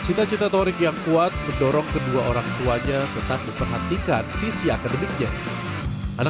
cita cita torik yang kuat mendorong kedua orang tuanya tetap memperhatikan sisi akademiknya anak